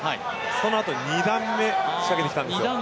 そのあと２段目、仕掛けてきたんです。